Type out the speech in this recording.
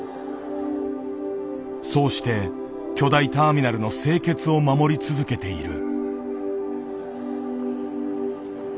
そうして巨大ターミナルの清潔を守り続けている。